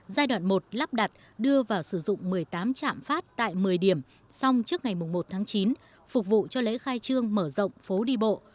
giai đoạn một lắp đặt đưa vào sử dụng một mươi tám trạm phát tại một mươi điểm xong trước ngày một tháng chín phục vụ cho lễ khai trương mở rộng phố đi bộ